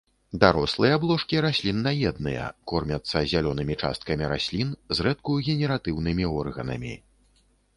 Дарослыя блошкі раслінаедныя, кормяцца зялёнымі часткамі раслін, зрэдку генератыўнымі органамі.